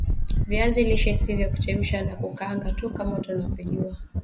viazi lishe si vya kuchemsha na kukaanga tu kama watu wajuavyo